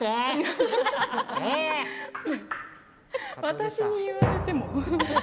私に言われても。